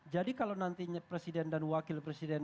jadi kalau nantinya presiden dan wakil presiden